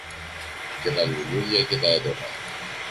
και τα λουλούδια και τα έντομα.